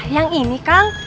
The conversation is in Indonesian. yang ini kang